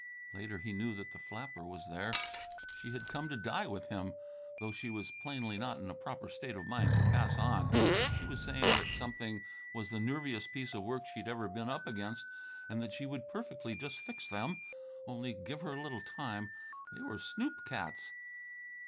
Later he knew that the flapper was there. She had come to die with him, though she was plainly not in a proper state of mind to pass on. She was saying that something was the nerviest piece of work she'd ever been up against, and that she would perfectly just fix them ... only give her a little time they were snoop cats!